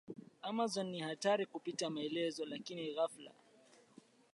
Amazon ni hatari kupita maelezo lakini ghafla